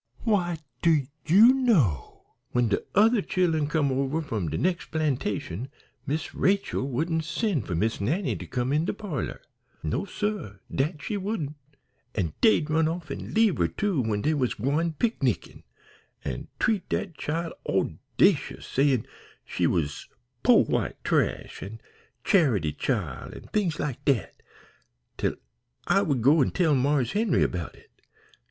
Why, do you know, when de other chillen come over from de nex' plantation Miss Rachel wouldn't send for Miss Nannie to come in de parlor. No, suh, dat she wouldn't! An' dey'd run off an' leave her, too, when dey was gwine picknickin', an' treat dat chile owdacious, sayin' she was po' white trash, an' charity chile, an' things like dat, till I would go an' tell Marse Henry 'bout it.